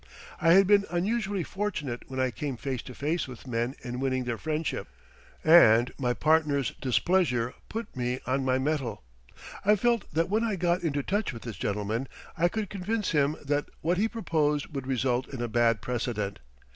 I had been unusually fortunate when I came face to face with men in winning their friendship, and my partner's displeasure put me on my mettle. I felt that when I got into touch with this gentleman I could convince him that what he proposed would result in a bad precedent.